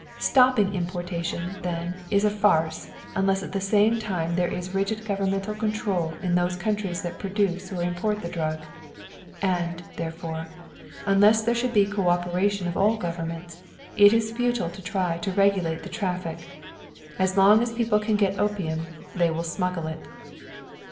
Stopping importation, then, is a farce, unless at the same time there is rigid governmental control in those countries that produce or import the drug. And, therefore, unless there should be a coöperation of all governments, it is futile to try to regulate the traffic. As long as people can get opium, they will smuggle it.